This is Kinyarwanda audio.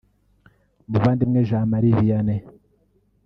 Muvandimwe Jean Marie Vianney